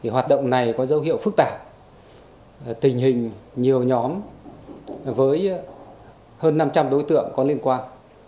hoạt động này có dấu hiệu phức tạp tình hình nhiều nhóm với hơn năm trăm linh đối tượng có liên quan